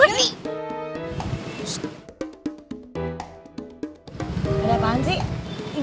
ada apaan sih